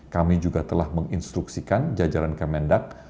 kami juga telah menginstruksikan jajaran kemendak